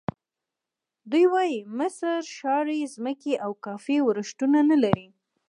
دوی وایي مصر شاړې ځمکې او کافي ورښتونه نه لري.